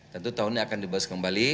tentu tahun ini akan dibahas kembali